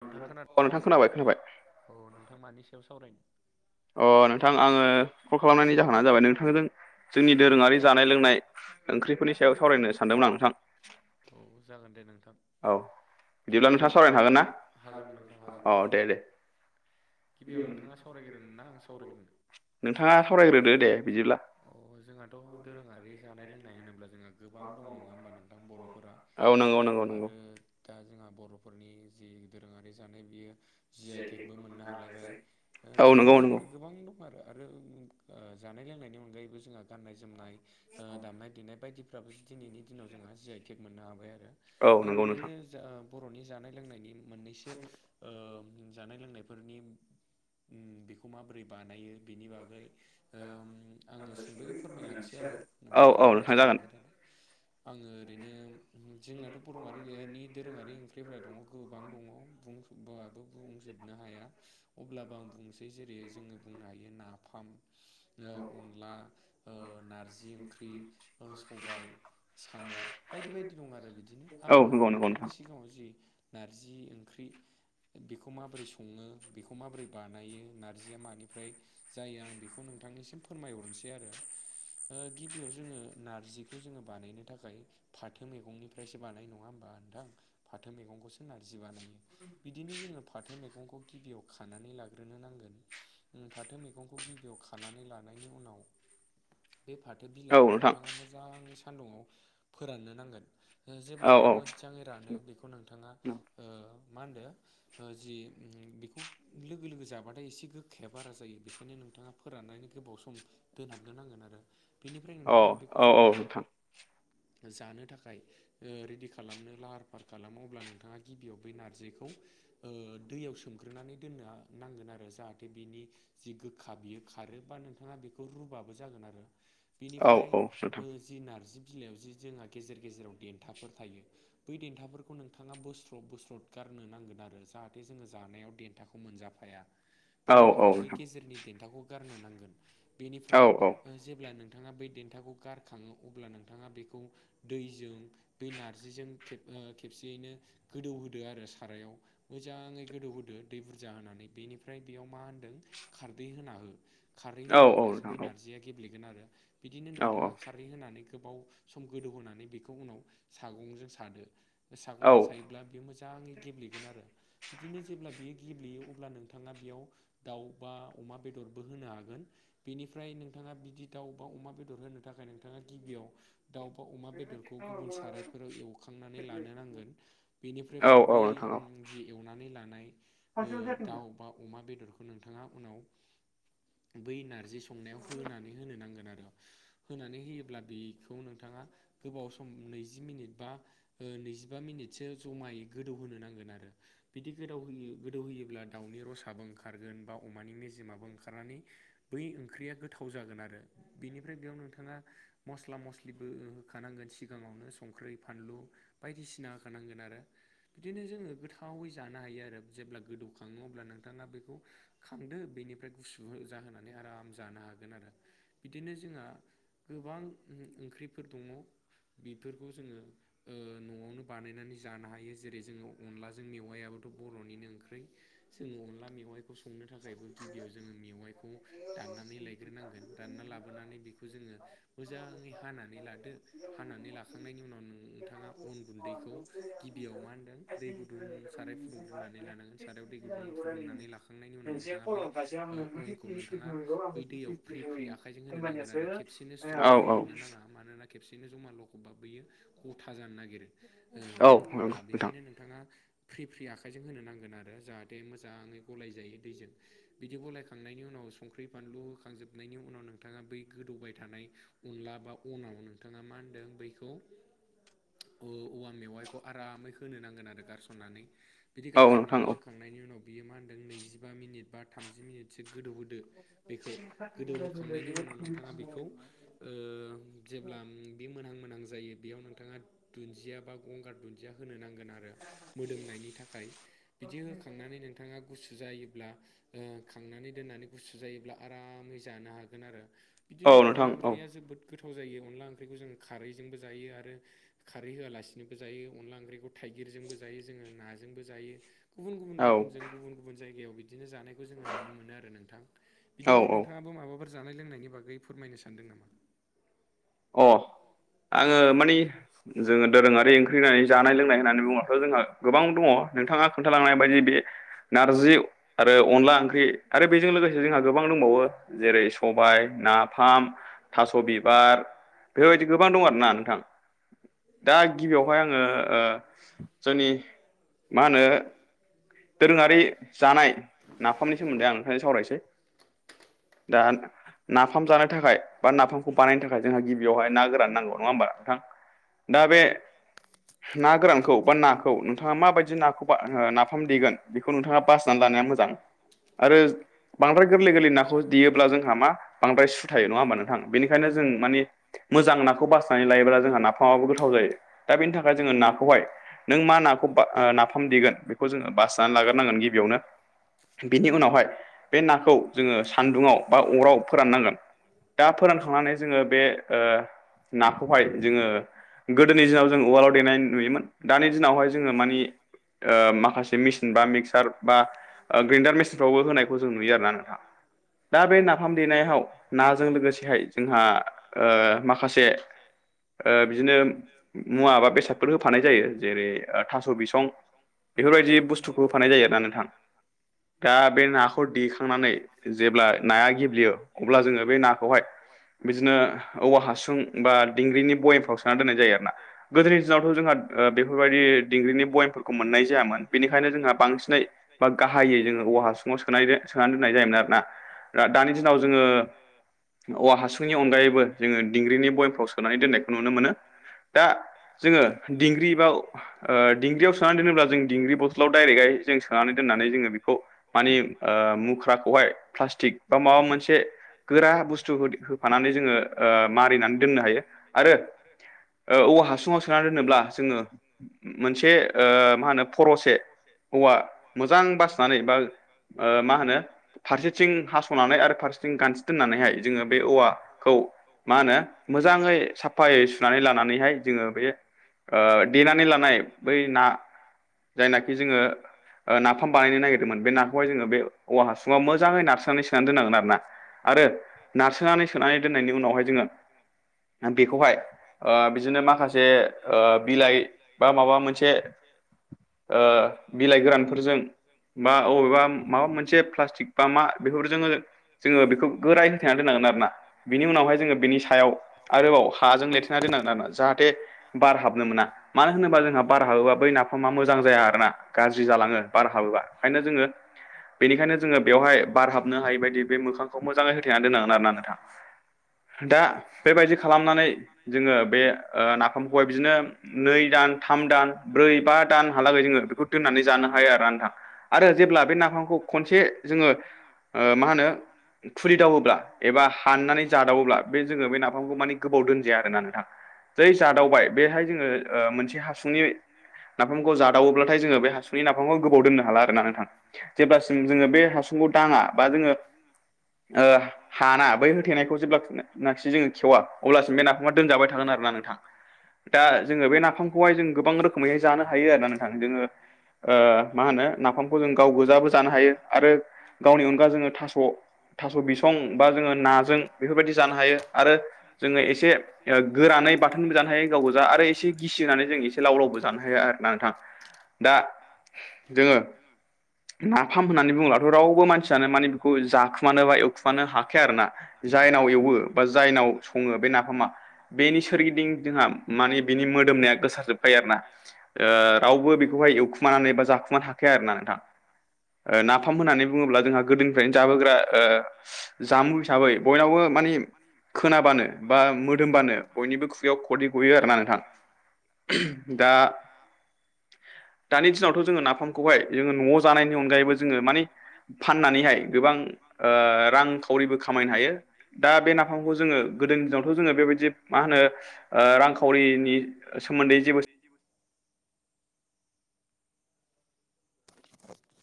नोंथां खोनादों? औ नोंथां मानि सायाव सावरायनो? अ नोंथां आङो कल खालामनायनि जाहोनानो जाबाय नोंथांजों जोंनि दोरोङारि जानाय लोंनाय ओंख्रिफोरनि सायाव सावरायनो सानदोंमोन आं नोंथां। औ जागोन दे नोंथां। गिबियाव हागोन नोंथां हागोन। गिबियाव नोंथाङा सावरायग्रोनो ना आं सावरायग्रोनो? नोंथाङा सावरायग्रोदो दे बिदिब्ला। अ जोंहाथ' दोरोङारि जानाय लोंनाय होनोब्ला जोंहा गोबां दं नङा होमबा नोंथां? बर' फोरा आरो दा जोंहा बर'फोरनि जि दोरोङारि जानाय बियो जि आइ टेकबो मोननो हालायबाय बिदिनो जोङो गोबां आरो आरो ओ जानाय लोंनायनि अनगायैबो जोंहा गाननाय जोमनाय ओ दामनाय देनाय बायदिफोर फ्राबो दिनैनि दिनाव जोंहा जि आइ केक मोननो हाबाय आरो आं बिदिनो ओ बर'नि जानाय लोंनायनि मोननैसो ओ जानाय लोंनायफोरनि बेखौ माबोरै बानायो बिनि बागै ओ आङो सुंदयै फोरमायलांसै आरो नोंथाङा खोनासंलांबाय था। आङो ओरैनो जोंनाथ' बर'आारिनि दोरोङारि ओंख्रिफ्रा दङ गोबां दङ बुं बुंबाबो बुंजोबनो हाया। अब्लाबो आं बुंनोसै जेरै जोङो बुंनो हायो नाफाम ओ अनला, ओ नारजि ओंख्रि, ओ सबाय, साम' बायदि बायदि दं आरो बिदिनो। आङो नोंथांनि सिगाङाव जि नारजि ओंख्रि बेखौ माबोरै सङो बेखौ माबोरै बानायो नारजिया मानिफ्राय जायो आं बेखौ नोंथांनिसिम फोरमायहरसै आरो गिबियाव जोङो नारजिखौ जोङो बानायनो थाखाय फाथो मैगंनिफ्रायसो बानायो नङा होमबा नोंथां? फाथो मैगंखौसो नारजि बानायो। बिदिनो जोङो फाथो मैगंखौ गिबियाव खानानै लाग्रोनो नांगोन उम फाथो मैगंखौ गिबियाव खानानै लानायनि उनाव बे फाथो बिलाइखौ नोंथाङा मोजाङै सान्दुंङाव फोराननो नांगोन जेब्ला बियो मोजाङै रानो बेखौ नोंथाङा मा होनदो जि बेखौ लोगो लोगो जाबाथाय एसे गोखाया बारा जायो बेखायनो नोंथाङा फोराननानै गोबाव सम दोनहाबनो नांगोन आरो बेनिफ्राय नोंथाङा बेखौ जेब्ला जानो थाखाय रेडि खालामनो लाहार फाहार खालामो अब्ला नोंथाङा गिबियाव बै नारजिखौ दैयाव सोमग्रोनानै दोननो नांगोन आरो जाहाथे बिनि जि गोखा बियो खारो बा नोंथाङा बेखौ रुबाबो जागोन आरो बिनिफ्राय जि नार्जि बिलाइयाव जि जोंहा गेजेर गेजेराव देन्थाफोर थायो बै देन्थाफोरखौ नोंथाङा बोस्र बोस्र गारनो नांगोन आरो जाहाथे जोङो जानायाव देन्थाखौ मोनजाफाया बेनि थाखाय बे गेजेरनि देन्थाखौ गारनो नांगोन बेनिफ्राय जेब्ला नोंथाङा बै देन्थाखौ गारखाङो अब्ला नोंथाङा बेखौ दैजों बे नारजिजों खेबसेयैनो गोदौहोदो आरो सारायाव मोजाङै गोदौहोदो दै बुरजा होनानै बेनिफ्राय बेयाव मा होनदों खारदै होना हो खारै होयोब्लासो बे नारजिया गेब्लेगोन आरो बिदिनो नोंथाङा खारै होनानै गोबाव सम गोदौहोनानै बेखौ उनाव सागंजों सादो सागंजों सायोब्ला बे मोजां दाङै गेब्लेगोन आरो बिदिनो जेब्ला बियो गेब्लेयो अब्ला नोंथाङा बेयाव दाउ बा अमा बेदरबो होनो हागोन बेनिफ्राय नोंथाङा बिदि दाउ बा अमा बेदर होनो थाखाय नोंथाङा गिबियाव दाउ बा अमा बेदरखौ गुबुन सारायफोराव एवखांनानै लानो नांगोन बेनिफ्राय बे जि एवनानै लानाय दाउ अमा बेदरखौ नोंथाङा उनाव बै नारजि जि संनायाव होनानै होनो नांगोन आरो होनानै होयोब्ला बे बे खौ नोंथाङा गोबाव सम नैजि मिनिट बा नैजिबा मिनिटसो जमायै गोदौहोनो नांगोन आरो बिदि गोदौ होयो गोदौ होयोब्ला दाउनि रसाबो ओंखारगोन बा अमानि मेजेमाबो ओंखारनानै बै ओंख्रिया गोथाव जागोन आरो बेनिफ्राय बेयाव नोंथाङा मस्ला मस ख्लिबो होखानांगोन सिगाङावनो संख्रि फानलु बायदिसिना होखानांगोन आरो बिदिनो जोङो गोथावै जानो हायो आरो जेब्ला गोदौखाङो अब्ला नोंथाङा बेखौ खांदो बेनिफ्राय गुसु जाहोनानै आराम जानो हागोन आरो बिदिनो जोंहा गोबां ओंख्रिफोर दङ बेफोरखौ जोङो न'आवनो बानायनानै जानो हायो जेरै जोङो अनलाजों मेवायाबोथ' बर'निनो ओंख्रि जोङो अनला मेवाइखौ संनो थाखायबो गिबियाव जोङो मेवाइखौ दान्नानै लाय ग्रो नांगोन दानना लाग्रोनाना बेखौ जोङो मोजाङै हा हानानै लादो हानानै लाखांनायनि उनाव नोंथाङा अन गुन्दैखौ गिबियाव मा होन्दों दै गुदुं साराय फुदुंग्रोनानै लानांगोन सारायाव दै गुदुं फुदुंनानै लाखांनायनि उनाव नोंथाङा बै अनखौ नोंथाङा बै दैयाव फ्रि फ्रि आखाइजों होनो नांगोन आरो खेबसेनो स्र'ल' खबनो नाङा मानोना खेबसेनो जमा लखबा बियो गथा जानो नागिरो अना बेनिखायनो नों नोंथाङा फ्रि फ्रि आखाइजों होनो नांगोन आरो जाहाथे मोजाङै गलाय जायो दैजों बिदि बलायखांनायनि उनाव संख्रि फानलु होखांजोबनायनि उनाव नोंथाङा बै गोदौबाय थानाय अनला बा अनाव नोंथाङा मा होनदों बैखौ औवा मेवाइखौ आरामै होनो नांगोन आरो गारसननानै बिदि गारसननानै होखांनायनि उनाव बियो मा होनदों नैजिबा मिनिट बा थामजि मिनिटसो गोदौ होदो बेखौ गोदौहोखांनायनि उनाव नोंथाङा बेखौ जेब्ला मोनहां मोनहां जायो बेयाव नोंथाङा दुन्दिया बा गंगार दुन्दिया होनो नां आरो मोदोमनायनि थाखाय बिदि होखांनानै नोंथाङा गुसु जायोब्ला ओ खांनानै दोननानै गुसु जायोब्ला आरामै जानो हागोन आरो बिदिनो अनला ओंख्रिया जोबोद गोथाव जायो अनला ओंख्रिखौ जों खारैजोंबो जायो आरो खारै होआलासिनोबो जायो अनला ओंख्रिखौ थाइगिरजोंबो जायो जोङो नाजोंबो जायो गुबुन गुबुन रोखोमजों गुबुन गुबुन जायगायाव बि दिनो जानायखौ जोंङो नुनो मोनो आरो नोंथां बिदिनो नोंथाङाबा माबाफोर जानाय लोंनायनि बागै फोरमायनो सानदों नामा अ आङो मानि जोङो दोरोङारि ओंख्रि होननानै जानाय लोंनाय होननानै बुंबाथ' जोंहा गोबां दङ नोंथाङा खोन्थालांनाय बायदि बे नारजि आरो अनला ओंख्रि आरो बेजों लोगोसे जोंहा गोबां दंबावो जेरै सबाय नाफाम थास' बिबार बेफोरबायदि गोबां दं आरोना नोंथां दा गिबियावहाय आङो ओ जोंनि मा होनो दोरोङारि जानाय ल दा नाफाम जानो थाखाय बा नाफामखौ बानायनो थाख जोंहा गिबियावहाय ना गोरान नांगौ नङा होमबा नोंथां दा बे ना गोरानखौ बा नाखौ नोंथाङा माबायदि नाखौ ना दिगोन बेखौ नोंथाङा बासिनानै लानाया मोजां आरो बांद्राय गोरलै गोरलै नाखौ देयोब्ला जोंहा मा बांद्राय सु थायो नङा होमबा नोंथां बेनिखायनो जों मानि मोजां नाखौ बासनानै लायोब्ला जोंहा नाफामाबो जायो दा बेनि थाखाय जोङो नाखौहाय नों मा नाखौ नाफाम देगोन खौ जोङो बासिनानै लाग्रोनांगोन गिबियावनो बिनि उनावहाय बे नाखौ जोङो सान्दुंङाव बा अराव फोराननांगोन दा फोरानखांनानै जोङो बे ओ नाखौहाय जोङो गोदोनि दिनाव जों उवाल्डआव देनाय नुयोमोन दानि दिनावहाय जोङो मानि ओ माख माखासे मेसिन बा मिक्सार बा ग्रेन्डार मेसिनफ्रावबो होनायखौ जों नुयो आरोना नोंथां दा बे नाफाम देनायाव नाजों लोगोसेहाय जोंहा ओ माखासे ओ बिदिनो बिदिनो मुवा बा बेसादफोर होफानाय जायो जेरै थास' बिसं बेफोरबायदि बुस्थुखौ होफानाय जायो आरोना नोंथां दा बे नाखौ देखांनानै जेब्ला नाया गेब्लेयो अब्ला जोङो बे नाखौहाय बिदिनो औवा हासुं बा दिंग्रिनि बयेफ्राव सोन दोननाय जा यो आरोना गोदोनि दिनावथ' जोंहा बेफोरबायदि दिंग्रिनि बयामफोरखौ मोननाय ज जायामोन बिनिखायनो जोंहा बांसिनै बा गाहायै जोङो औवा हासुङाव सोन सोनानै दोन्नाय जायोमोन आरोना दा दिनाव जोङो औवा हासुंनि अनगायैबो जोङो दिंग्रिनि बयेमफ्राव सोनानै दोन्नायखौ नुनो मोनो दा जोङो दिंग्रि बा दिंग्रियाव सोनानै दोनोब्ला जों दिंग्रि बथलाव डाइरेक्टहाय जों सोनानै दोननानै जोङो बेखौ माने ओ मुख्राखौहाय प्लास्टिक बा माबा मोनसे गोरा बुस्थु होफानानै जोङो ओ मारिनानै दोननो हायो आरो आरो ओ औवा हासुङाव सोनानै दोनोब्ला जोङो मोनसे ओ मा होनो खर'से औवा मोजां बासिनानै बा ओ मा होनो फारसेथिं हास'नानै आरो फारसेथिं गानस्रि दोननानैहाय जोङो बे औवाखौ मा होनो मोजाङै साफायै सुनानै लानानै सुनानै लानानैहाय जोङो बे ओ देनानै लानाय बै ना जायनाखि जोङो ओ नाफाम बानायनो नागिरदोंमोन बे नाखौहाय जोङो बे औवा हासुुंवाव मोजाङै ना मोजाङै नारसोनानै सोनानै दोनांगोन आरोना आरो नारसोनानै सोनानै दोननायनि उनावहाय जोङो बेखौहाय ओ बिदिनो माखासे बिलाइ बा माबा मोनसे बिलाइ गोरानफोरजों बा अबेबा माबा मोनसे प्लास्टिक बा मा बेफोर जोङो जोङो बेखौ गोराय होनथायना दोननांगोन आरोना बिनि उनावहाय जोङो बेनि सायाव आरोबाव हाजों लेथेना दोननांगोन आरोना जाहाथे बार हाबनो मोना मानो होनोबा जोंहा बार हाबोबा बै नाफामा मोजां मोजां जाया आरोना गाज्रि जालाङो बार हाबोबा ओंखायनो जोङो बेनिखायनो जोङो बेवहाय बार हाबनो हायि बायदि बे मोखांखौ मोजाङै होथेना दोनांगोन आरोना नोंथां। दा बेबायदि खालामनानै जोङो नाफामखौहाय बिदिनो नै दान थाम दान ब्रै बा दानहालागै जोङो बेखौ दोननानै जानो हायो आरो नोंथां आरो जेब्ला बे नाफामखौ खनसे जोङो मा होनो खुलिदावोब्ला एबा हाननानै जादावोब्ला बे जोङो बे नाफामखौ माने गोबाव दोनजाया आरोना नोंथां जै जादावबाय बेहाय जोङो मोनसे हासुनि नाफामखौ जादावोब्लाथाय जोङो बे हासुनि नाफामखौ गोबाव दोननो हाला आरना नोंथां जेब्लासिम जोङो बे हासुंखौ दाङा बा जोंङो हाना बै होथेनायखौ जेब्लाखि जोङो खेवा अब्लासिम बे नाफामा दोनजाब बाय थागोन आरोना नोंथां दा जों बे नाफामखौहाय गोबां रोखोमैहाय हायो आरो ना नोंथां जोङो मा होनो नाफामखौ जों गाव गोजाबो जानो हायो आरो गावनि अनगा जोङो थास' थास' बिसं बा जोङो नाजों बेफोरबायदि जानो हायो आरो जोङो एसे गोरानै बाथोनबो जानो हायो गावगोजा आरो एसे गिसि होनानै जों एखौ जानो हायो आरोना नोंथां दा जोङो नाफाम होननानै बुङोब्लाथ' रावबो मानसियानो माने बेखौ जाखुमानो बा एवखुमानो हाखाया आरो ना जायनाव एवो बा जायनाव सङो बे नाफामा बेनि सा सोरगिदिं जोंहा माने बिनि मोदोमनाया गोसारजोबखबाय आरो ना। रावबो बेखौहाय एवखुमानानै बा जाखुमानो हाखाया आरोना नोंथां। नाफाम होननानै बुङोब्ला जोंहा गोदोनिफ्रायनो जाबोग्रा जामुं हिसाबै हिसाबै बयनावबो माने खोनाबानो बा मोदोमबानो बयनिबो खुगायाव खदै गयो आरोना नोंथां। दा [inaudible] दानि दिनावथ' जोङो नाफामखौहाय जोङो न'आव जानायनि अनगायैबो जोङो माने फाननानैहाय गोबां रांखावरिबो खामायनो हायो दा बे नाफामखौ जोङो गोदोनि दिनावथ' जोङो बेबायदि मा होनो रांखावरिनि सोमोन्दै जेबो [inaudible]